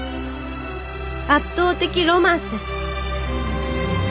圧倒的ロマンス！